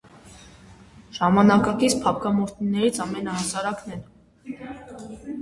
Ժամանակակից փափկամորթներից ամենահասարակն են։